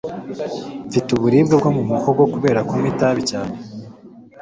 Mfite uburibwe bwo mu muhogo kubera kunywa itabi cyane.